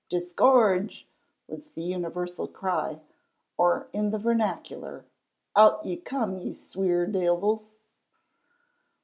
"Disgorge!" was the universal cry, or, in the vernacular, "Out you come, you sweer deevils!"